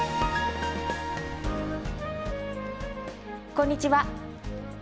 こんにちは。